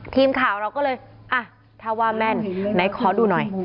ทีมข่าวเราก็เลยอ่ะถ้าว่าแม่นไหนขอดูหน่อย